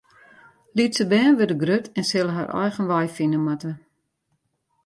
Lytse bern wurde grut en sille har eigen wei fine moatte.